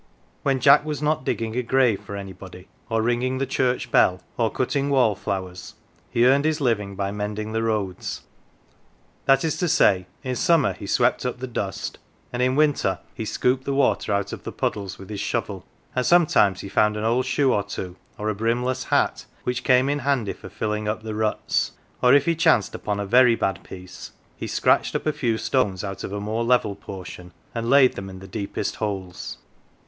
When Jack was not digging a grave for anybody, or ringing the church bell, or cutting wall flowers, he earned his living by mending the roads. That is to say, in summer he swept up the dust, and in winter he scooped the water out of the puddles with his shovel ; and sometimes he found an old shoe or two or a brim less hat, which came in handy for filling up the ruts ; or if he chanced upon a very bad piece, he scratched up a few stones out of a more level portion and laid them in the deepest holes.